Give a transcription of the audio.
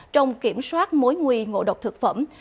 trong kiểm soát mối nguy ngộ độc thực phẩm